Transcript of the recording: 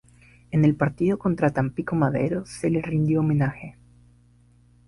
En el partido contra Tampico Madero, se le rindió homenaje.